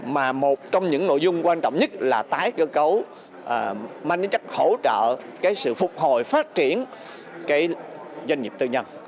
mà một trong những nội dung quan trọng nhất là tái cơ cấu mang đến trách hỗ trợ cái sự phục hồi phát triển cái doanh nghiệp tư nhân